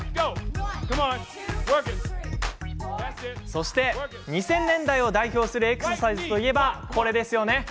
そして、２０００年代を代表するエクササイズといえばこれですよね。